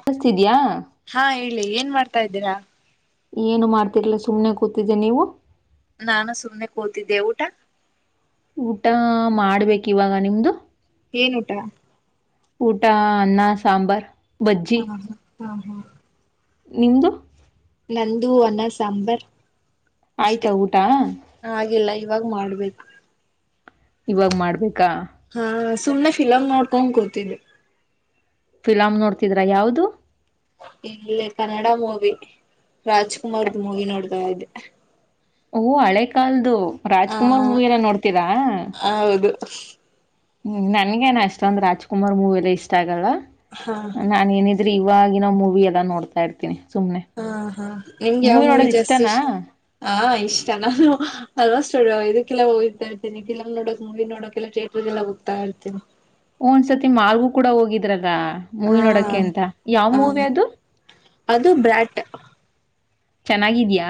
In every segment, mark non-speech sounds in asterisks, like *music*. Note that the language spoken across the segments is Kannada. ಕೆಳಸ್ತಿದ್ಯಾ ಇಲ್ಲಿ ಏನ್ ಮಾಡ್ತಾ ಇದ್ದೀರಾ ಏನು ಮಾಡ್ತಿಲ್ಲ ಸುಮ್ನೆ ಕೂತಿದ್ದೆ ನೀವು ನಾನು ಸುಮ್ನೆ ಕೂತಿದ್ದೆ ಊಟ ಊಟ-ಆ- ಮಾಡ್ಬೇಕು ಇವಾಗ ನಿಮ್ದು ಏನ್ ಊಟ ಊಟ -ಆ- ಅನ್ನ ಸಾಂಬಾರ್ ಬಜ್ಜಿ ಆ-ಹೂ-ಆ-ಹೂ ನಿಮ್ದು ನಂದು -ಹೂ- ಅನ್ನ ಸಾಂಬಾರ್ ಅಷ್ಟೆ ಆಯ್ತಾ ಊಟ ಆಗಿಲ್ಲ ಇವಾಗ ಮಾಡ್ಬೇಕು ಇವಾಗ್ ಮಾಡ್ಬೇಕು ಆ-ಆ ಸುಮ್ಮನೆ ಫಿಲಂ ನೋಡ್ತಾ ಕುಂತಿದ್ವಿ ಫಿಲಂ ನೋಡ್ತಿದ್ರಾ ಯಾವುದು ಇಲ್ಲಿ ಕನ್ನಡ ಮೂವಿ ರಾಜಕುಮಾರ್ದು ಮೂವಿ ನೋಡ್ತಾದ್ದೇ ಅವು ಹಳೇ ಕಾಲದು ರಾಜ್ ಆ ಕುಮಾರ್ ಮೂವಿನಾ ನೋಡ್ತೀರಾ ಹೌದು ಏ ನನ್ಗೇನು ಅಷ್ಟೊಂದು ರಾಜ್ ಕುಮಾರ್ ಮೂವಿ ಎಲ್ಲಾ ಇಷ್ಟ ಆಗಲ್ಲ ಹಾ ನಾ-ನಿನ್ ಇವಾಗಿನ ಮೂವಿ ಎಲ್ಲ ನೋಡ್ತಾ ಇರ್ತೀನಿ ಸುಮ್ನೆ ಆಹ್-ಆಹ್ ನಿಮ್ಗೆ ಯಾವ ಮೂವಿ ನೋಡೋದ್ ಜಾಸ್ತಿ ಇಷ್ಟನಾ ಇಷ್ಟ ಆ-ಐತ್ ಇಷ್ಟ ನಾನು ಆಲ್ಮೋಸ್ಟ್ ಇದಕ್ಕೆಲ್ಲ ಹೋಗತಾ ಇರ್ತನಿ ಫಿಲಂ ನೋಡಕ್ ಮೂವಿ ನೋಡಕೆಲ್ಲ ಥಿಯೇಟರ್ ಗೆಲ್ಲ ಹೋಗ್ತಾ ಇರ್ತೀನಿ ಒಂದ್ಸತಿ ಮಲ್ಗೂ ಕೂಡ ಹೋಗಿದ್ದೇ ಇದ್ರಾಗಾ-ಆ- ಮೂವಿ ಹಾ ನೋಡೂಕ್ಕೇಅಂತ ಯಾವ್ ಹ ಮೂವಿ ಅದು ಅದು ಬ್ರ್ಯಾಟ್-ಅ- ಚೆನ್ನಾಗಿದ್ಯಾ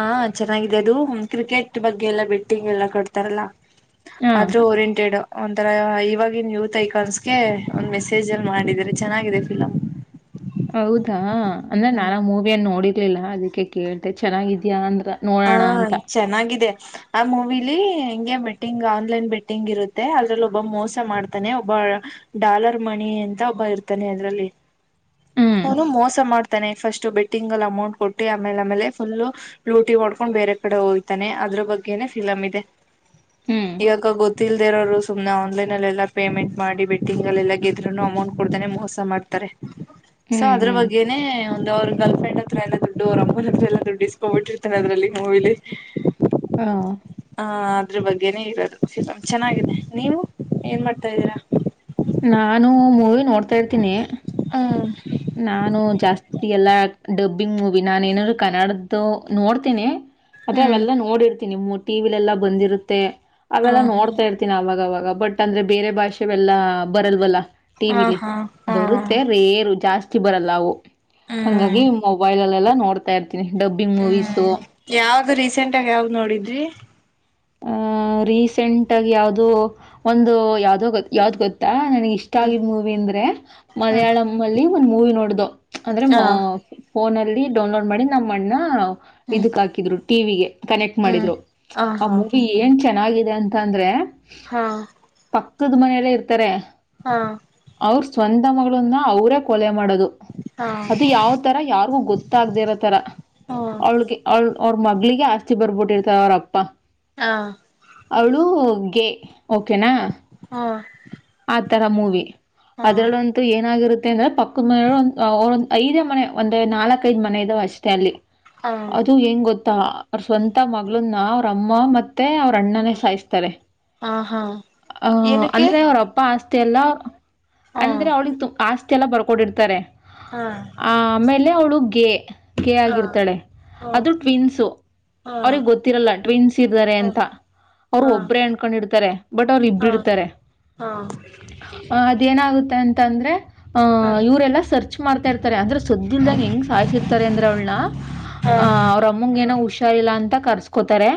ಆ-ನ್ ಚೆನ್ನಾಗಾಗಿದೆ ಅದು ಕ್ರಿಕೆಟ್ ಬಗ್ಗೆ ಎಲ್ಲ ಬೆಟ್ಟಿಂಗ್ ಎಲ್ಲಾ ಕಟ್ತಾರಲ್ಲ ಹಾ ಅದು ಓರಿಯಂಟೆಡ್ ಒಂಥರ ಇವಾಗಿನ್ ಯೂತ್ ಐಕಾನ್ಸ್ಗೆ ಒಂದ್ ಮೆಸೇಜ್ ಅಲ್ಲಿ ಮಾಡಿದೀರಾ ಚೆನ್ನಾಗಿದೆ ಫಿಲಂ ಹೌದಾ ಅಂದ್ರೆ ನಾಳೇ ಮೂವಿಯನ್ ನೋಡಿಲ್ಲ ಆಗ್ಲೀಲ್ಲಾ ಅದಕ್ಕೆ ಕೇಳ್ತೆ ಚೆನ್ನಾಗಿದ್ಯಾ ಅಂದು ಆ-ಚೆನ್ನಾಗಿದೆ ಆ ಮೂವಿಲ್ಲಿ ಹೆಂಗೆ ಬೆಟ್ಟಿಂಗ್ ಆನ್ಲೈನ್ ಬೆಟ್ಟಿಂಗ್ ಇರುತ್ತೆ ಅದ್ರಲ್ಲಿ ಒಬ್ಬ ಮೋಸ ಮಾಡ್ತಾನೆ ಒಬ್ಬ ಡಾಲರ್ ಮಣಿ ಅಂತ ಒಬ್ಬ ಇರ್ತಾನೆ ಅದ್ರಲ್ಲಿ ಹ್ಮ್ ಅವನು ಮೋಸ ಮಾಡ್ತ್ ತೆ ಫಸ್ಟ್ ಬೆಟ್ಟಿಂಗ್ ಅಮೌಂಟ್ ಕೊಟ್ಟ ಆಮೇಲೆಮೇಲೆ ಫುಲ್ ಲೂಟಿ ಹೊಡ್ಕೊಂಡು ಹೋಗ್ತಾನೆ ಅವ್ನ್ ಬೇರೆ ಕಡೆ ಹೋಯ್ತಾನೆ ಅದ್ರ ಬಗ್ಗೆನೇ ಫಿಲಂ ಇದೆ ಹ್ಮ್ ಇಗ ಗಾ ಗೋತ್ತ್ ತಿಲ್ದ ಇರೋರು ಸುಮ್ನೆ ಆನ್ಲೈನ್ ಅಲ್ಲ ಎಲ್ಲಾ ಪೇಮೆಂಟ್ ಮಾಡಿ ಬೆಟ್ಟಿಂಗ್ಲ್ಲ ಎಲ್ಲ ಗೆದ್ರು ಅಮೌಂಟ್ ಕೊಡ್ದಾನೇ ಮೋಸ ಮಾಡ್ತಾರೆ ಸೊ ಹ್ಮ್ ಅದ್ರ ಹ್ಮ್ ಬಗ್ಗೆನನೆ ಒಂದು ಅವ್ರ ಗರ್ಲ್ ಫ್ರೆಂಡ್ ಹತ್ರ ಎಲ್ಲ ದುಡ್ಡು ಅವ್ರ ಅಮ್ಮನ ಹತ್ರ ಎಲ್ಲ ದುಡ್ಡು ಇಸ್ಕೊಬಿಟ್ಟಿರ್ತಾರೆ ಅದ್ರಲ್ಲಿ. ಮೂವಿಲಿ. ಹಾ. ಹಾ ಅದ್ರ ಬಗ್ಗೆನೇ ಇರೋದು ಸಿಂ ಚೆನ್ನಾಗಿದೆ ನೀವು ಏನ್ ಮಾಡ್ತಾ ಇದ್ದೀರಾ. ನಾನು ಮೂವಿ ನೋಡ್ತಾ ಇರ್ತೀನಿ. ಹ್ಮಾ ನಾನು ಜಾಸ್ತಿ ಎಲ್ಲ ಡಬ್ಬಿಂಗ್ ಮೂವಿ ನಾನು ಏನಾದ್ರು ಕನ್ನಡದ್ದು ನೋಡ್ತೀನಿ ಅದ ಹ್ಮ್ ಅವೆಲ್ಲ ನೋಡಿರ್ತವಿ. ನಿಮ್ಮ ಟಿವ ವಿಲೆಲ್ಲ ಬಂದಿರುತ್ತೆ. ಹ ಅವೆಲ್ಲ ನೋಡ್ತಾ ಇರ್ತೀನಿ ಅವಾಗವಾಗ. ಬಟ್ ಅಂದ್ರೆ ಬೇರೆ ಭಾಷೆವೆೆಲ್ಲಾ ಬರಲ್ವಲ್ಲ. ಟಿ ಹಾ ಹಾ ವಿಲಿ ಹಾ ಹಾ ಬರುತ್ತೆ ರೇರು ಜಾಸ್ತಿ. ಜಾಸ್ತಿ ಬರಲ್ಲ ಅವು. ಹಂಗಾಗಿ ಹ್ಮ್ ಮೊಬೈಲ್ ಅಲ್ಲೆಲ್ಲ. ನೋಡ್ತಾ ಇರ್ತೀ ಡಬ್ಬಿಂಗ್ ಮೂವೀಸು. ಸೆಂಟಾಗಿ ಯಾವ್ದ್ ನೋಡಿದ್ರಿ. ಆಹ ರೀಸೆಂಟ್ ಆಗಿ ಯಾವ್ದ ಒಂದು ಯಾವ್ದೋೊ ಯಾವ್ದ ಗೊತ್ತಾ. ನನ್ಗ ಇಷ್ಟ ಹ್ಮ್ ಆಗಿದ ಮೂವಿ ಅಂದ್ರೆ ಮಲಯಾಳಂ ಅಲ್ಲಿ ಒಂದ್ ಮೂವಿ ನೋಡ್ದ ಅಂದ್ರೆ. ಹ ಫೋನ ಅಲ್ಲಿ ಡೌನ್ಲೋಡ್ ಮಾಡಿ ನಮ್ಮ ಅಣ್ಣ. ಇದಕ್ ಹಾಕಿದ್ರು. ಟಿ ವಿಗೆ. ಕನೆಕ್ಟ್ ಮಾಡಿದ್ರು. ಹಾ ಆ ಮೂವಿ ಏನ್. ಚೆನ್ನಾಗಿದೆ ಅಂತಂದ್ರೆ. ಹಾ. ಕದ ಮನೆಯಲ್ಲೇ ಇರ್ತಾರೆ. ಹಾ ಅವ್ರ ಸ್ವಂತ. ನ್ನ ಅವರೇ ಕೊಲೆ ಮಾಡದು. ಹಾ ಅದು ಯಾವ ತರ ಯಾರಿಗೂ ಗೊತ್ತಾಗದಿರೋ ತರ ಹಾ ಹಾ ಅವಳಿಗೆ ಅವಳ. ಅವ್ರ ಮಗ್ಗಳಿಗೆ ಆಸ್ತಿ ಬರ್ಬಿಟ್ಟಿರ್ತಾರ ಅವ್ರಪ್ಪ. ಹಾ. ಅವಳು ಗೆ ಓಕೆನಾ. ಹಾ. ತರ ಮೂವಿ. ಹಾ ಅದ್ರಲ್ಲಂತು ಏನಾಗಿರುತ್ತೆ. ಮತ್ತೆ ಅಂದ್ರೆ ಪಕ್ಕದ ಒ ಅವರ್ ಒಂದ್ ಐದೇ ಮನೆ ಒಂದೇ ನಾಲ್ಕೈದ್ ಮನೆ ಇದಾವ ಅಷ್ಟೇ ಅಲ್ಲಿ ಹಾ ಅದು ಹೆಂಗ್ ಗೊತ್ ತಾ ಅವ್ರ ಸ್ವಂತ ಮಗಳನ್ನ ಅವ್ರ ಅಮ್ಮ ಮತ್ ಮತ್ತೆ ಅವ್ರ ಅಣ್ಣನೇ ಸಾಯಿಸ್ತಾರೆ ಹಾ ಹಾ ಅಹ ಏನಕ್ಕೆ ಅಂದ್ರೆ ಅವ್ರ ಅಪ್ ಆಸ್ತಿ ಎಲ್ಲ ಹಾ ಅಂದ್ರೆ ಅವಳಿಗೆ ತು ಆಸ್ ಎಲ್ಲ ಬರ್ಕೊಂಡಿರ್ತಾರೆ ಹಾ ಆ ಆಮೇಲೆ ಅವ್ಳುಗ್ ಗೆ ಗೆ ಹಾ ಆಗಿರ್ತಾಳೆ ಹಾ ಅದು ಟ್ವಿನ್ಸು ಹಾ ಅವ್ರಿಗ್ ಗೊತ್ತಿರಲ್ಲ ಟ್ವಿನ್ಸ್ ಇರ್ತಾರೆ ಹಾ ಹಾ ಅಂತ ಅವರು ಹಾ ಒಬ್ಬ್ರೇ ಅನ್ಕೊಂಡಿರ್ತಾರೆ ಬಟ್ ಅವ್ರ ಹಾ ಇಬ್ಬ್ರಿತ್ತಾರೆ ಹಾ ಹ ಅದೇನಾಗುತ್ತೆ ಅಂತ ತಂದ್ರೆ ಹಾ ಹ-ಹ ಇವ್ರೆಲ್ಲಾ ಸರ್ಚ್ ಮಾಡ್ತಾ ಇರ್ತಾರೆ ಅಂದ್ರೆ ಸದ್ದಿಲ್ದಂಗ ಹೆಂಗ್ ಸಾಯ್ಸಿರ್ತಾರೆ ಅಂದ್ರ ಅವಳ್ನ ಅವ್ರ ಅಮ್ಮಂಗ ಏನೋ ಹುಷ ರಿಲ್ಲಾ ಇಲ್ಲ ಅಂತ ಕರ್ಸ್ಕೋತಾರೆ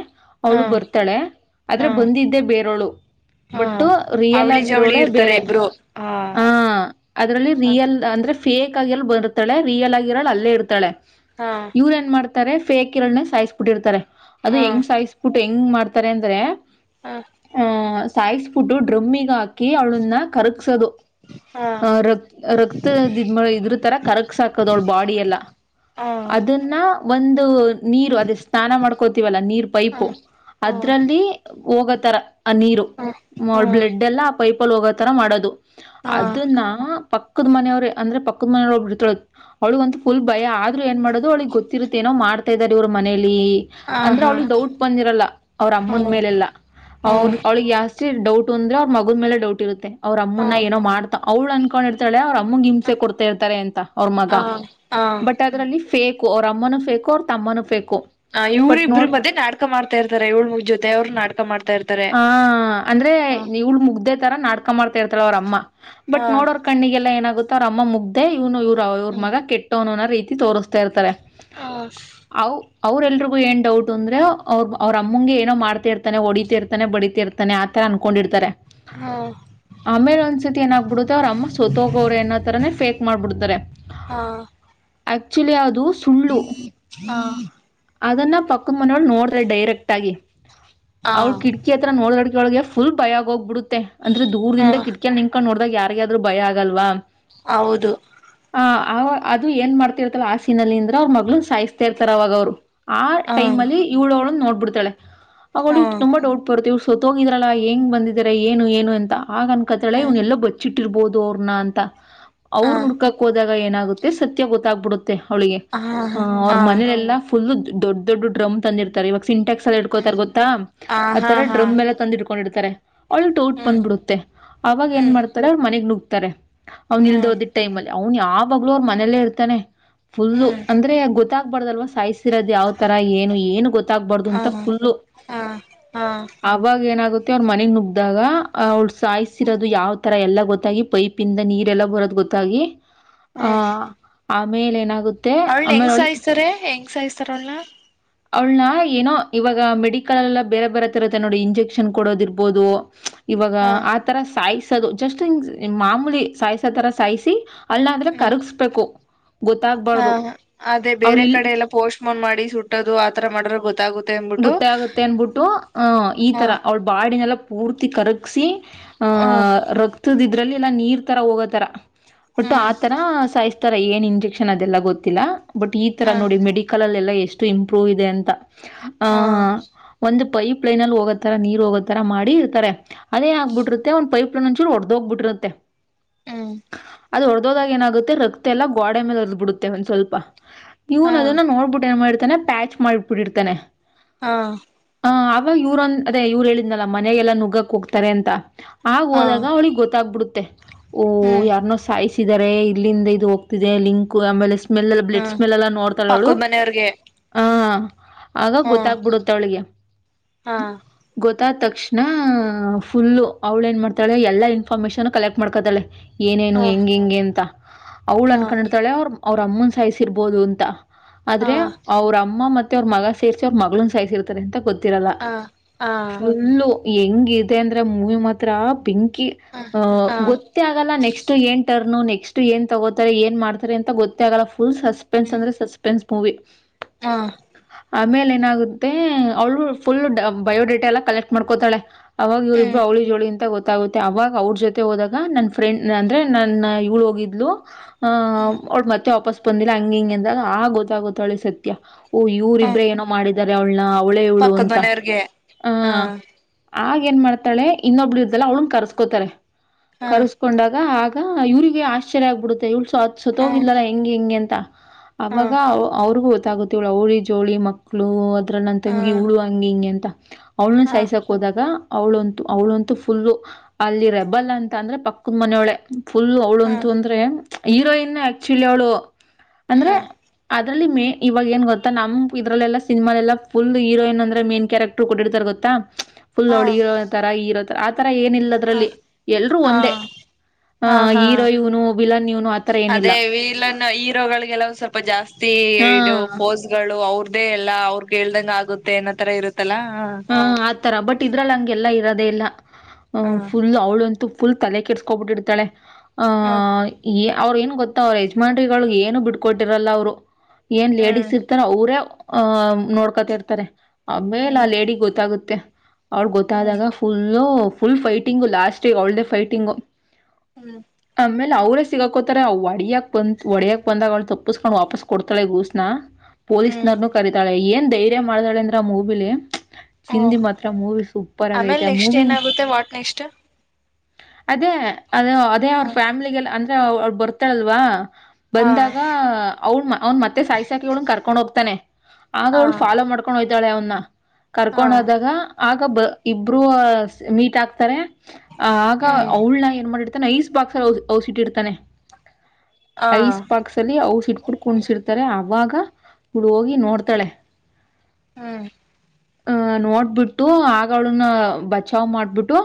ಅವಳು ಹಾ ಬರ್ತಾಳೆ ಆದ್ರೆ ಹಾ ಬಂದಿದ್ದೆ ಬೇರವಳು ಹಾ ಬಟ್ ರಿಯಲ್ ಆ ಅವಳಿ ಜವಳಿ ಇರೋಳೆ ಇರ್ತಾರೆ ಬೇರೆ ಇಬ್ರು ಹಾ ಅದ್ರಲ್ಲಿ ರಿಯಲ್ ಅಂದ್ರೆ ಮಾತ್ರ ಫೇಕ್ ಆಗಿರ್ ಬರ್ತಾಳೆ ರಿಯಲ್ ಆಗಿರೋಳು ಅಲ್ಲೇ ಇರ್ತಳೆ ಹಾ ಇವ್ರ ಏನ್ ಮಾಡ್ ತ್ತಾರೆ ಫೇಕ್ ಇರೋಳ್ನೆ ಸಾಯಿಸ್ಬುಬಿಟ್ಟಿರ್ತಾರೆ ಅದು ಹಾ ಹೆಂಗ್ ಸಾಯಿಸ್ಬಿಟ್ಟು ಹೆಂಗ್ ಮಾಡ್ ಮಾಡರ್ತಾರೆ ಅಂದ್ರೆ ಹಾ ಹ ಸಾಯ್ಬಿಟ್ಟು ಡ್ರಮ್ಮಿಗ್ ಹಾಕಿ ಕಿ ಅವನ್ನ ಕರಗ್ಸೋದು ಹಾ ಅ ರಕ್ ರಕ್ತದ ಇದ್ ಮಾಡ್ ಇದರ್ ತರ ಕರಗ್ಸಕೋದು ಅವ್ಳ ಬಾಡಿ ಎಲ್ಲ ಹ ಅದನ್ನ ಒಂದು ನೀರು ಅದೇ ಸ್ನಾನ ಮಾಡ್ಕೋತೀವಲ್ಲ ನೀರ್ ಹ ಪೈಪು ಹ ಅದ್ರಲ್ಲಿ ಹೋಗೋತರ ಅ ನೀರು ಮ ಹ ಬ್ಲೆಡ್ ಎಲ್ಲ ಪೈಪ್ ಅಲ್ ಹೋಗೋ ತರ ಮಾಡೋದು ಹ ಹಾ ಅದನ್ನ ಪಕ್ ಪಕ್ಕದ್ ಮನವ್ರು ಅಂದ್ರೆ ಪದ ಮನೆಲ್ ಒಬ್ಬಳು ಬಿಡ್ತಳ ಅವಳಗಂತ ಫುಲ್ ಭಯ ಆದ್ರೂ ಏನ್ ಮಾಡೋದು ಅವಳಿಗೆ ಗೊತ್ತಿರುತ್ತ ಏನೋ ಮಾಡ್ತಾ ಇದಾರೆ ಇವ್ರು ಮನೇಲಿ ಈ ಅಂದ್ರೆ ಹ ಅವಳಿಗೆ ಡೌಟ್ ಬಂದಿರಲ್ಲ ಅವ್ರ ಹಾ ಅಮ್ಮನ ಹ್ಮ್ ಮೇಲೆಲ್ಲ ಅವ ಹ್ಮ್ ಅವಳಿಗೆ ಜಾಸ್ತಿ ಡೌಟ್ ಸುಂದ್ರ ಅವರ್ ಮಗ್ ಆಗ ಮೇಲೆಡೌಟ್ ಇರುತ್ತೆ. ಅವ್ರ ಅಮ್ಮನ್ನ ಹ್ಮ್ ಏನೋ ಮಾಡ್ತ ಅವ್ಳ ಅನ್ಕೊಂಡಿರ್ತಾಳೆ ಅವ್ರ ಅಮ್ಮಗೆ ಹಿಂಸೆ ಕೊಡ್ತಾ ಇರ್ತಾರೆ ಅಂತ ಅವ್ರ ಮಗ ಹ ಹ ಬಟ್ ಅದರಲ್ಲಿ ಫೇಕ್. ಅಮ್ಮನುಫೇಕಕೋ ತಮ್ಮನ್ನು ಫೇಕೋ. ಹ ಇವ್ರ ಇಬ್ರು ಮದೆ ನಾಟಕ ಮಾಡ್ತಾ ಇರ್ತಾರೆ ಏಳ್ ಮೂಗ್ ಜೊತೆ ಅವರು ನಾಟಕ ಮಾಡ್ತಾ ಇರ್ತಾರೆ ಆ ಹ. ನಾಡಕ. ಮಾಡ್ತಾ ಇರ್ತಲ್ಲ ಅವ್ರ ಅಮ್ಮ ಬಟ್ ನೋಡೋರ್ ಕಣ್ಣಿಗೆಲ್ಲ ಏನಾಗುತ್ತೆ. ಅವ್ರ ಅಮ್ಮ ಮುಗ್ದೆ. ಅವನು ಇವ್ ಅವ್ರ ಹ್ಮ್ ಮಗ ಕೆಟ್ಟವನು. ರೀತಿ ತೋರಿಸ್ತಾ ಇರ್ತಾರೆ. ಹಾ ಆೌ. ಅವರೆಲ್ರಿಗೂ ಏನು ಡೌಟ್ ಅಂದರೆ ಅವ್ರು ಅವ್ರ ಅಮ್ಮಗೆ ಏನೋ ಮಾಡ್ತ ಇರ್ತಾನೆ ಹೊಡಿತತಿ ಇರ್ಾನೆ ಬಡೀತಿ ಇರ್ಾನೆ ಆ ಥರ ಅನ್ಕೊಂಡಿರ್ತಾರೆ. ಹಾ ಆಮೇಲೆ ಒಂದ್ಸತಿ ಏನಾಗಬಿಡುತ್ತೆ ಅವ್ರ ಅಮ್ಮ ಸೋತೋಗೋ್ರ ಅನ್ನೋ ತರಾನೇ ಫೇಕ್ ಮಾಡ್ಬಿಡ್ತಾರೆ ಚಳ ಯಾವುದು. ಹ್ಮ ಹಾ. ಅದನ್ನ ಪಕ್ಕ ಮನವಳ ನೋಡತ ಡೈರೆಕ್ಟ್ ಆಗಿ. ಹಾ ಅವ್ಳ ಕಿಟಕಿ ಹತ್ರ ನೋಡದಡ್. ಫುಲ್ ಭಯಾಗ ಹೋಗ್ಬಿಡು. ತ್ತೆ. ಅಂದ್ರ ಹಾ ದೂರದಿಂದ ಕಿಕ ನಿಂಕಾ ನೋ. ಇಾಗ ಯಾರಿಗಾದ್ೂ ಭಯ ಆಗಲ್ವಾ. ಹೌದು. ಆ ಆ ಅದು ಏನ್ ಮಾಡ್ತತಿ ಇರ್ತಾರ ಹಸಿನಲ್ಲಿಂದ್ರ ಅವ್ರ ಮಗಳು ಸಾಯಿಸ್ತಾ ಇರ್ತಾರ ಅವಾಗ ಅವ್ರು. ಆ ಹಾ ಟೈಮ ಅಲ್ಲಿ ಇವಳೋಳು ನೋ. ಕೊಡ್ತಳೆ. ಹಾಗಗೋಡಿ ಹಾ ತುಂಬಾ ಡೌಟ್ ಬರ್ತವ. ಸೊತ ಹೋಗಿದ್ರಲ್ಲ ಹೆಂಗ್ ಬಂದಿದ. ಏನು ಏನು ಎಂತ. ಆಗ ಹ್ಮ್ ಕತ್ರಾ್ೆಲ್ಲ ಬಚ್ಚಿು. ಇಟ್ಟಿರ್ಬೋದು ಅವ್ರನ್ನ ಅಂತ. ಹಾ ಅವ್ರು ನುಡ್ಕಕ್ ಹೋದಾಗ. ಏನಾಗುತ್ತೆ ಸತ್ಯ ಗೊತ್ತಾಗ್ಬಿಡುತ್ತೆ. ಅವಳಿಗೆ ಹಾ ಹಾ ಅವ್ರ ಹಾ ಮನಲೆಲ್ಲ. ಫುಲ್ ದೊಡ್ ದೊಡ್ಡ್ರಮ್ ತಂದಿರ್ತ ಇವಾಗ. ಸಿಂಟೆಕ್ಸ್ ಎಲ್ಲಿ ಇಡ್ಕೋತಾರೆ ಹ್ಮ್ ಗೊತ್ತಾ ಹ ಹಾ ಆತರ ಹಾ ಡ್ರಮ್ ಎಲ್ಲ ತಂದ್ ಇಟ್ಕೊಂಡಿರ್ತಾರೆ. ಅಲ್ ಡೌಟ್ ಹ್ಮ್ ಬಂದ್ಬಿಡುತ್ತೆ ಅವಾಗ ಏನ್ ಹ್ಮ್ ಮಾಡ್ತಾರೆ ಮನೆಗ್ ನು ತ್ತರೆ ಅವನಿಲ್ದೆ ಹ್ಮ್ ಹೋದಿದ್ದ ಟೈಮ ಅಲ್ಲಿ ಅವ್ನು ಯಾವಾಗಲೂ ಅವ್ರ ಮನೆಯಲ್ಲೇ ಇರ್ತಾನೆ ಯಪ್ *inaudible* ಫುಲ್ಲು ಹ್ಮ್ ಅಂದ್ರೆ ಗೊತ್ತಾಗ್ ಬಾರದಲ್ವ ಸಾಯ್ಸ್ ತಿರದ್ ಯಾವ್ ತರ ಏನು- ಏನು ಗೊತ್ತಾಗಬಾರ್ದು ಹ ಅಂತ ಫುಲ್ಲು ಹ ಹಾ ಅವಾಗ ಏನಾಗುತ್ತೆ ತಿವರ್ ಮನೆಗ್ ನುಗ್ ದ್ದಗ ಅವ್ಳ ಸಾಯ್ಸಿರೋದು ಯಾವ್ ತರ ಎಲ್ಲ ಗೊತ್ತಾಗಿ ಪೈಪ್ ಇಿಂದ ನೀರೆಲ್ಲ ಬರೋದು ಗೊತ್ತಾಗಿ ಹಾ ಹ್ *inaudible* ಮೆಲೆನಾಗುತ್ ಅವ್ಳ್ ನ ಹೆಂಗ್ ಸಾಯಿಸ್ತಾರೆ ಹೆಂಗ್ ಸಾಯ್ತ್ ತರಲ್ಲ ಅವಳನ ಏನೋ ಇವಾಗ ಮೆಡಿಕಲ್ ಲ್ಲ ಬೇರೆ ಬೇರೆ ತರತ್ತೆ ನೋಡಿ ಇಂಜೆಕ್ಷನ್ ಕೊಡೋದಿರ್ಬೋದು ಇವಾಗ ಹ ಆ ತರ ಸಾಯ್ ಸ್ *inaudible* ಸದು ಜಸ್ಟ್ ಇನ್ ಮಾಮೂಲಿ ಸಾಯಸ ತರ ಸಾಯಿಸಿ ಅಲ್ಲಾಂದ್ರೆ ಹ್ಮು ಕರಗಿಸ್ಬೇಕು ಗೊತ್ತಾಗಬಾರ್ದು ಹಅ ಅದೇ ಅವಳು ಬೇರೆ ಇಲ್ಲಿ ಕಡೆ ಎಲ್ಲ ಪೋಸ್ಟ್ ಮೊನ್ ಮಾಡಿ ಸುಟ್ ಅದು ಆತರ ಮಾಡ್ ರೆ ಗೊ ಗೊತ್ತ್ ಆಗುತ್ತೆ ಅಂದ್ ಬುಟ್ಟು ಹಉ ಈ ಹ ತರ ಅವ್ಳ ಬಾಡಿನೆಲ್ಲಾ ಪೂರ್ತಿ ಕರ್ ಅಸೀ ಆ ಹ ರಕ್ತದ್ ಇದ್ರಲ್ಲಿ ಎಲ್ಲಾ ನೀರ್ ತರ ಹೋಗೋತರ ಒಟ್ಟು ಹ್ಮ್ ಆತರ ಸಾಯ್್ತ ತರ ಏನ್ ಇಂಜೆಕ್ಷನ್ ಅದೆಲ್ಲ ಗೊತ್ತಿಲ್ಲ ಬಟ್ ಈ ತರ ಹ ನೋಡಿ ಮೆಡಿಕಲ್ ಅಲ್ಲೆಲ್ಲಾ ಎಷ್ಟು ಇಂಪ್ರೂವ್ ಇದೆ ಅಂತ ಹಾ ಒಂದು ಪೈಪ್ ಲೈನ್ ಅಲ್ಲಿ ಹೋಗೋತರ ನೀರ್ ಹೋಗೋತರ ಮಾಡಿರ್ತಾರೆ ಅದೇ ಹ ಆಗ್ಬಿರುತ್ತೆ ಒಂದ್ೈಪ್ ಲೈನ್ ಒಂಚೂ ಒ ಹೊಡದ ಹೋಗ್ಬಿಟ್ಟಿರುತ್ತೆ ಹ್ಮ ಅದು ಹೊಡ್ ದೋದಾಗ ಏನಾಗುತ್ತೆ ರಕ್ತ ಎಲ್ಲ ಗೋಡೆ ಮೇಲೆ ಒರದ್ ಬಿಡುತ್ತೆ ಒಂದ್ ಸ್ವಲ್ಪ ಹಾ ಇವನು ಅದನ್ನ ನೋಡ್ಬಿಟ್ಟೆ ಏ ಮಾಡ್ ತನ ಪ್ಯಾಚ್ ಮಾಡಿಬಿಟ್ಟಿರ್ತಾನೆ ಹಾ ಹ ಅವಾಗ ಇವ್ರಂ ಅದೇ ಇವ್ರು ಹೇಳಿದ್ನಲ ಮನೆಗೆಲ್ಲಾ ನುಗ್ಗಕ್ ಹೋಗ್ತಾರೆ ಅಂತ ಆಗ ಹಾ ಹೋದಾಗ ಅವಳಿಗೆ ಗೊತ್ತಾಗ್ಬಿಡುತ್ತೆ ಓಹೊ ಹ್ಮ್ ಯಾರ್ನ್ನೋ ಸಾಯಿಸಿ ಾರೆ ಇಲ್ಲಿಂದ ಇದು ಹೋಗ್ತಿದೆ ಲಿಂಕ್ ಆಮೇಲೆ ಸ್ಮೆಲ್ ಎಲ್ಲ ಹ್ಮ ಬ್ಲಡ್ ಸ್ಮೆಲ್ ಎಲ್ಲ ನೋಡ್ತಾಳ ಅವಳು ಪಕ್ಕದ ಮನೆಯವ್ರಿಗೆ ಆ ಹ ಹ್ಮ ಗೊತ್ತ್ಬಿಡುತ್ತೆ ಅವಳಿಗೆ ಹಾ ಗೊ ಗೊತ್ತಾದ ತಕ್ಷಣ ಫುಲ್ಲು ಅವ್ಳು ಏನ್ ಮಾಡ್ತಾಳೆ ಎಲ್ಲಾ ಇನ್ಫಾರ್ಮೇಶನ್ ಕಲೆಕ್ಟ್ ಮಾಡ್ಕತಾಳೆ ಏನೇನು ಹಾ ಹೆಂಗ ಹೆಂಗೆ ಅಂತ ಅವಳ ಹಾ ಅನ್ಕೊಂಡಿರ್ತಾಳೆ ಅವರು ಅವ್ರ ಅಮ್ಮನ ಸಾಯಿಸಿರ್ಬೋದು ಅಂತ ಹಾ ಆದ್ರೆ ಅವ್ರ ಅಮ್ಮ ಮತ್ತೆ ಮತ್ತೆ ಮಗ *unintelligible* ಮಗಳನ್ ಸಾಯಿಸಿ ಇರ್ತಾರೆ ಅ ಗೊತ್ತು ತೀರಲ್ಲ ಹಾ ಹಾ ಅಲ್ಲು ಹೋಗಿ ಹೆಂಗಿದ ಅಂದ್ರ ಮೂವಿ ಮಾತ್ರ ಬೆಂಕ ಹಾ ಗೊತ್ತ ಆಗಲ್ಲ ನೆಕ್ಸ್ಟ್ ಏನ್ ಟರ್ನ ನೆಸ್ಟ್ ಏನ್ ತಗೋತಾರೆ ಏನ್ ಮಾಡ್ತಾರೆ ಅಂತ ಗೊತ್ತ ಆಗಲ್ಲ ಫಲ್ ಸಸ್ಪೆನ್ಸ್ ಹ್ಮ್ ಅಂದ್ರೆ ಸಸ್ಪೆನ್ಸ್ ಮೂವಿೆ ಹಾ ಆಮೇಲೆ ಏನಾಗುತ್ತೆ ಅವಳು ಫುಲ್ ಬಯೋಡೇಟಾ ಎಲ್ಲ ಕಲೆಕ್ಟ್ ಮಾಡ್ಕೋತಾಳೆ ಅವಾಗ ಇವರಿಬ್ರು ಹ್ಮ್ ಅವಳಿ ಜೋಳಿಂತ ಗೊತ್ತು ುತ್ತೆ ಅವಾಗ ಅವ್ರ ಜೊತೆ ಹೋದಾಗ ನನ್ ಫ್ರೆಂಡ್ ಅಂದ್ರೆ ನನ್ನ *unintelligible* ಹೋಗಿದ್ಲು ಹ ಅವಳ ಮತ್ತೆ ವಾಪಸ್ ಬಂದಿಲ್ಲ ಹಂಗ ಹಿಂಗೆ ಅಂದ ಆ ಗೊತ್ತಾಗುತ್ತೇ ಅವಳಿಗೆ ಸತ್ಯ ಓ ಹ್ಮ್ ೇನ ಮಾಡ ಇದಾರೆ ಅವಳನ್ನ ಅವಳೆ ಇವ್ಳು ಪಕ್ಕದ ಅಂತ ಮನೆಯವ್ರಿಗೆ ಹ ಆಗ ಏನ್ ಮಾಡ್ತಾಳೆ ಇನ್ನೊಬ್ಳ ಇರ್್ದಲ್ಲ ಅವ್ಳನ್ ಕರ್ಸ್ಕೋತಾರೆ ಹ ಕರ್ಸ್ಕೊಂಡಾಗ ಹಾಗ ಇವ್ರಿಗೆ ಆಶ್ಚ್ಯ ಆಗ್ಬಿಡುತ್ತೆ ಇಳ್ ಹ ಸಂತೋಗಿದಲ್ಲ ಹೆಂಗೆ ಹೆಂಗೆ ಅಂತ ಹ ಹ ಅವಾಗ ಅವ್ರಗ ಹ ಗುತ್ತೇ ಇವ್ರು ಅವಳಿ ಜವಳಿ ಮಕ್ಳು ಮಕ್ಳು ಹತ್ರ ನನ್ ತಂಗ ಹ ಉಳು ಹಂಗ ಹಿಂಗೆ ಅಂತ. ಅವಳನು ಹ ಹ ಸಾಯ್ಸಕ್ ಹೋದಾಗ. ಅವಳಂತು ಅವಳಂತು ಫುಲ್ಲು ಅಲ್ಲಿ ರೆಬಲ್ ಅಂತ ಅಂದ್ರೆ ಪಕ್ಕದ ಮನೆಯೊಳೆ. ಫುಲ್ಲು ಅವಳಂತು ಹ ಅಂದರೆ. ಹೀರೋಯಿನ್ ಆಕ್ಚುಲಿ ಅವಳು. ಅಂದ್ರೆ ಅ. ಅದ್ರಲ್ಲಿ ಮ ಇವಾಗ ಏನ್ ಗೊತ್ತಾ ನಮ್. ಇದ್ರಲ್ಲ ಸಿನಮಾಲೆಲ್ಲ ಫುಲ್ ಹೀರಯನ್ ಅಂದ್ರ ಮೇನ್ ಕ್ಯಾರೆಕ್ರ್ ಕೊಟ್ಟಿರ್ತಾರೆ ಗೊಾ. ಹ ಫುಲ್ ಹಾ ಹಳಿ ಇರೋ ತರ ಇರೋ. ಆ. ತರ ಏನಿಲ್ಲ ಅದ್ರಲ್ಲಿ ಎಲ್ರೂ ಒಂದೇ ಹಾ ಆಹ ಹಾ ಹೀರೋ ಇವ್ನು ವಿಲನ್ ಇವನು ಆತರ ಏನಿಲ್ಲ. ಅದೇ ಹೇಳಿದ ಹಾ ಫೋಸ್ ಗಳು ಅವರು. ಇದದೆ ಎಲ್ಲ ಅವ್ರಗ್ ಕೇಳ್ದಂಗ ಆಗುತ್ತೆ ನ ತರ ಇರುತ್ತೆ. ಹ ಆತರ ಬಟ್ ಇದ್ರ ಹಂಗೆಲ್ಲಾ ಇರ. ಅದೇಲ್ಲ. ಅ ಹ ಫುಲ್ ಅವಳಂತು. ಫುಲ್ ತಲೆ ಕೆರ್ಸ್ಕೊಬಿಟ್ಟಿತಾಳೆ. ಆ ಹ ಈ. ಅವ್್ರ ಏನ್ ಗೊತ್ತ ಅವ್ರ ಯಜಮಾನ್ರಿಗಳಗ್ ಏನು ಬಿಟ್ಕೊಟ್ಟಿರಲ್ಲ ಅವ್ರು. ಏನ್ ಲೇಡಿಸಸ್ ಹ್ಮ್ ಇರ್ತಾರೋ ಅವರೇ. ಆಹ ನೋಡ್ಕೋತಿರ್ತಾರೆ. ಆಮೇಲ್ಲ ಆ ಹ್ಮ್ ಲೇಡಿಿಗೆ. ಗೊತ್ತಾಗುತ್ತೆ. ಔ ಹ್ಮ್ ಗೊತ್ತದಾಗಫುಲ್. ಫುಲ್ ಫೈಟಿಂಗು ಲಾಸ್ಟ್ ೇ ಒಳ್ಳಡೇ ಫೈಟಿಂಗ್. ಹ್ಮ್. ಇಲ್ಲ ಅವ್ರೇ ಸಿಗಾಕೋತ ಅವ ಒಡಿಯಕ್ ಬಂದ ಒಡಿಯಕ್ ಬಂದಾಗ ಅವಳು ತಪ್ಪಸ್್ಕೊಂಡ್ ವಾಪಸ್ ಕೊಡ್ತಾಳೆ ಗೂಸ್ನ. ಹ್ಮ್ ಪೊೀಸ್ನರ್ ನು ಕರಿತಾಳೆ. ಧೈರ್ಯ ಮಾಡ್ದಳ ಅಂದ್ರ ಆ ಮೂಬಿಲಿ. ಓ ಚಿಂದಿ ಮಾತ್ರ ಮೂವಿ ಸೂಪರ್ ಆಮೇಲೆ ಆಗೈತೆ ಆ ನೆಕ್ಸ್ಟ್ ಮೂವಿನ. ಏನಾಗುತ್ತೆ ವಾಟ್ ನೆಕ್ಸ್ಟ್ ಅದೇ. ಅದು ಅೇ ಅವ ಫೇಾಮಲಗಳು ಅ. ಅವ ಬರ್ತಾರಲ್ವಾ. ಹಾ ಬಂದಾಗ ಅವನ್ ಅವನ್ ಮತ್ತೆ ಸಾಯಿ ಸಾಕಿ ಅವ್ಳ ಕರ್ಕೊಂಡ್ ಹೋಗ್ತಾನೆ ಆಗ ಹಾ ಅವ್ಳು ಫಾಲೋ ಮಾಡ್ಕೊಂಡುಹೊಯ್ತ್ ತಳೆಯನ್ನ ಹಾ ಕರ್ಕೊಂಡೋದಾಗ ಆಗ ಬ ಇಬ್ರುೂ ಮೀಟ್ ಹಾಕ್ತಾರೆ ಆ ಆಗ ಹ್ಮ್ ಅವಳ ನ ಏನ್ ಮಾಡಿತ ತನ್ನ ಈಸ್ಟ್ ಬಾಕ್ಸ್ ಅಲ್ಲಿ ಔಸಿಟ್ಟಿಡ್ತಾನೆ ಹಾ ಐಸ್ ಪಾಕ್ಸ್ ಅಲ್ಲಿ ಅವ ಇಟ್ಬಿಟ್ಟ ಕುಣ್ಸಿರ್ತಾರೆ ಅವಾಗ ಹುಳ ಹೋಗಿ ನೋಡ್ತಾಳೆ ಹ್ಮ್ ಹ್ಮ್ ಹಹ ನೋಡ್ಬಿಟ್ಟು ಆಳನ್ನ ಬಚಾವ್ ಮಾಡ್ಬಿಟ್ಟು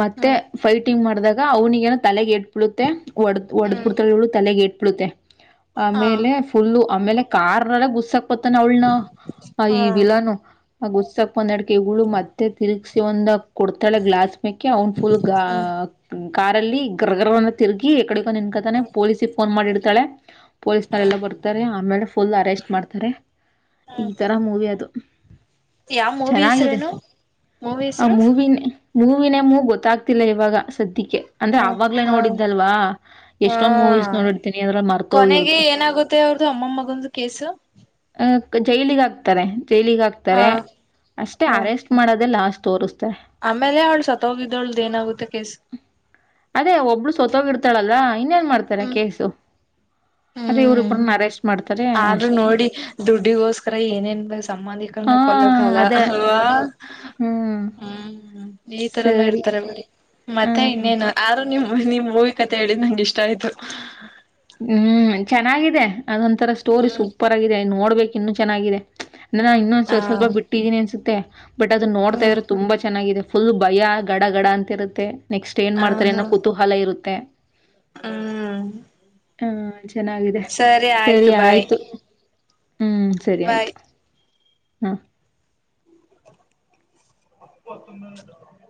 ಮತ್ತೆ ಹ್ಮ್ ಫೈಟಿಂಗ್ ಮಾಡಿದಾಗ ಅವೌನಿಗೆನ್ನು ತಲೆಗೆ ಕೇಟ್ ಳುತ್ತೆ ಒಡದ ಹ್ಮ್ ಪುಡ್ತ ತಲೆಗೆಟ್ಟ ಇಳುತ್ತ ಹಾ ಆಮೇಲೆ ಫುಲ್ಲು ಆಮೇಲೆ ಕಾರಾರ್ ಗುಸ್ಸಾ ಪ್ಪತ್ತಾನ ಅವಳನ ಹಾ ಈ ಹ್ಮ್ ವಿಲಾನು ಹಾಗ ಉತ್ಸಕ್ ಒಂದ ಅಡಕೆು ಮತ್ತತ್ ಮತ್ತೆ ತಿರುಗ್ಸಿ ಒಂದ ಕೊಡ್ತಾಳೆ ಗ್ಲಾಸ್ ಮೆೇಕೆ ಅವನ್ ಫುಲ್ ಕಾರಲ್ಲಿ ಗ್ರಗ ತಿರುಗಿ ಎಡೆ ನಿನ್ಕತಾನೆ ಪೊಲೀಸಿಗೆ ಫೋನ್ ಮಾಡಿ ಇಡ್ತಾಳೆ ಪೊಲೀಸ್ ನಲ್ಲಿ ಎಲ್ಲ ಬರ್ತಾರೆ ಆಮೇಲೆ ಫುಲ್ ಅರೆಸ್ಟ್ ಮಾಡ್ತಾರೆ ಈ ಹ್ಮ್ ತರ ಮೂವಿ ಅದು ಯಾವ ಮೂವಿ ಚೆನ್ನಾಗಿದೆ ಹೆಸ್ರೇನು ಮೂವಿ ಆ ಹೆಸರು ಮೂವಿನೇ ಮೂವ ಗೊತ್ತಾಗ್ತಿಲ್ಲ ಇವಾಗ ಸದ್ಯಕ್ಕೆ ಅಂದ್ರೆ ಹ ಆವಾಗ್ಲೇ ಹ ನೋಡಿದ್ದಲ್ವಾ ಹಾ ಎಷ್ಟೊಂದ್ ಮೂವೀಸ್ ನೋಡಿರ್ತೀನಿ ಅದ್ರ ಮರ್ತ ಕೊನೆಗೆ ಹೋಗಿರುತ್ತೆ ಏನಾಗುತ್ತೆ ಅವ್ರ್ದು ಅಮ್ಮ ಮಗಂದು ಕೇಸು ಅ ಜೈಲಿಗಿ ಅಕ್ತಾರೆ ಜೈಲಿಗೆ ಹ ಹಾಕ್ತಾರೆ ಅಷ್ಟೇ ಹ ಅರೆಸ್ಟ್ ಮಾಡೋದೆ ಲಾಸ್ಟ್ ತೋರಿಸ ಆಮೇಲೆ ಅವಳು ಸತ್ತ ಹೋಗಿದ್ದವಳ್ದು ಏನಾಗುತ್ತೆ ಕೇಸ್ ತಳಲ್ಲ ಇನ್ನೇನ್ ಮಾಡ್ತಾರೆ ಹ್ಮ್ ಕೇಸು ಅದೇ ಇವ್ರ ಹ್ಮ್ ಇಬ್ಬ್ರನ್ನ ಅರೆಸ್ಟ್ ಮಾಡ್ತಾರೆ ತಾರೆ ಆದ್ರೂ ಅಷ್ಟೇ ನೋಡಿ ದುಡ್ಡಿಗೋಸ್ಕರ ಏನೇನ್ ಆ ಸಂಬಂಧಿಕರ್ನೇ ಕೊಲ್ಲೊ ಕಾಲ ಅದೇ ಅಲ್ವಾ ಹ್ಮ್. ಹ್ಮ್ ಈ ತರನ ಸರಿ ಇಡ್ತಾರೆ ಬಿಡಿ. ಮತ್ತೆ ಹ್ಮ್ ಇನ್ನೇನು ಆರು ನಿಮ್ ನಿಮ್ ಮೂವಿ ಕತೆೆ ಹೇಳಿದ್ ನಂಗ ಇಷ್ಟ ಆಯ್ತು. ಹ್ಮ್ ಚೆನ್ನಾಗಿದೆ. ಅದೊಂಂತರ ಸ್ಟೋರಿ ಹ್ಮ್ ಸೂಪರ್ ಆಗಿದೆ ನೋಡ್ಬೇಕು. ಇನ್ನು ಚೆನ್ನಾಗಿದೆ. ನಾನ ಹಾ ಇನ್ನೊಂದ ಸ್ವಲ್ ಬಿಟ್ಟಿದ್ದೀನಿ ಅನ್ಸ. *unintelligible* ಬಟ್ ಅದು ನೋಡ್ತಾ ಹ್ಮ್ ಇದ್ರೆ ತುಂಬಾ ಚೆನ್ನಾಗಿದೆ. ಫುಲ್ ಭಯ ಗಡ ಗಡ ಅಂತಿರುತ್ತೆ. ನೆಕ್ಸ್ಟ್ ಏನು ಮಾಡ್ತಾರೆ ಏನೋ ಕುತೂಹಲ ಇರುತ್ತೆ. ಹ್ಮ. ಹಾ. ಚೆನ್ನಾಗಿದೆ ಸರಿ ಆಯ್ತು. ಹ್ಮ್ ಸರಿ ಬಾಯ್ ಆಯ್ತು. ಹಾ. *unintelligible*